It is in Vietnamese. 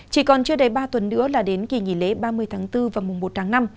chỉ còn chưa đầy ba tuần nữa là đến kỳ nghỉ lễ ba mươi tháng bốn và mùa một tháng năm